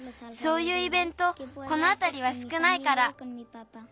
そういうイベントこのあたりはすくないから。